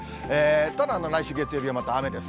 ただ、来週月曜日はまた雨です。